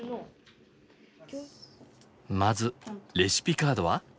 まずレシピカードは？